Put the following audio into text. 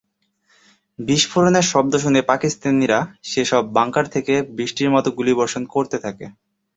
বিস্ফোরণের শব্দ শুনে পাকিস্তানিরা সেসব বাংকার থেকে বৃষ্টির মতো গুলিবর্ষণ করতে থাকে।